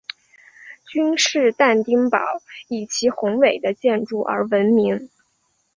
君士坦丁堡亦以其宏伟的建筑而闻名。